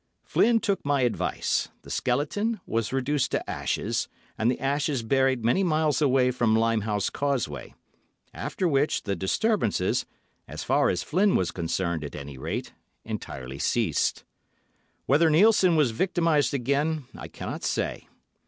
Flynn took my advice; the skeleton was reduced to ashes, and the ashes buried many miles away from Limehouse Causeway, after which, the disturbances, as far as Flynn was concerned, at any rate, entirely ceased. Whether Nielssen was victimised again I cannot say.